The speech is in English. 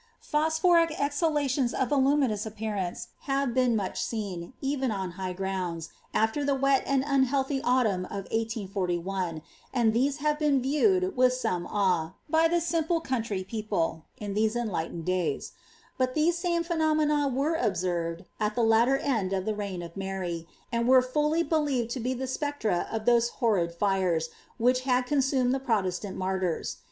Phosphoric exhalations of luminous appearance have been much seen, even on high grounds, after the wet and unhealthy autumn of 1841, and these have been viewed with some awe, by the simple country people, in these enlightened days ; bui the same phenomena were observed at the latter end of the reign of 3ianr, and were fully believed to be the spectra of those horrid fires which had consumed the Protestant martyrs.